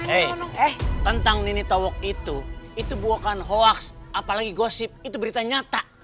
eh eh tentang nini tawak itu itu bukan hoax apalagi gosip itu berita nyata